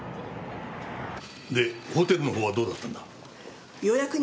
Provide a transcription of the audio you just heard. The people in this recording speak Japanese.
でホテルのほうはどうだったんだ？